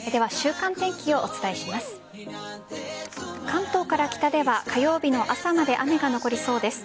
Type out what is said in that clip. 関東から北では火曜日の朝まで雨が残りそうです。